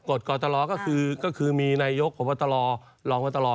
กฎกอตรอก็คือมีในยกผัวบัตรอรองบัตรอ